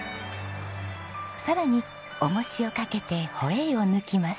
さらに重しをかけてホエイを抜きます。